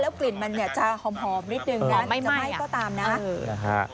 แล้วกลิ่นมันเนี้ยจะหอมหอมนิดหนึ่งนะไม่ไหม้อ่ะก็ตามน่ะเออนะฮะ